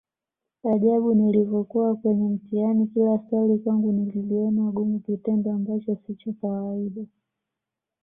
Ajabu nilivokuwa kwenye mtihani kila swali kwangu nililiona gumu kitendo Ambacho si cha kawaida